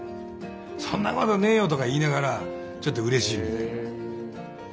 「そんなことねえよ！」とか言いながらちょっとうれしいみたいな。